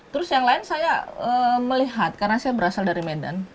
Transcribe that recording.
terus yang lain saya melihat karena saya berasal dari medan